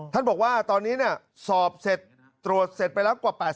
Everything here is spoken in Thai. ท่านบอกว่าตอนนี้สอบเสร็จตรวจเสร็จไปแล้วกว่า๘๐